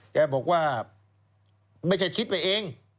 แกบอกว่าไม่ใช่คิดไปเอง